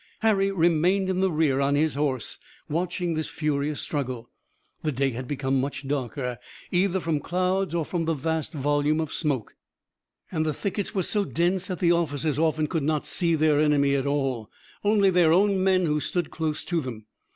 Harry remained in the rear on his horse, watching this furious struggle. The day had become much darker, either from clouds or the vast volume of smoke, and the thickets were so dense that the officers often could not see their enemy at all, only their own men who stood close to them.